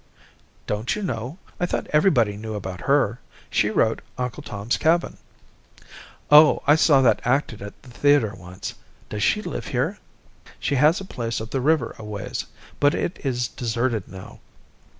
"Don't you know? I thought everybody knew about her. She wrote 'Uncle Tom's Cabin.'" "Oh, I saw that acted at the theatre once. Does she live here?" "She has a place up the river aways, but it is deserted now.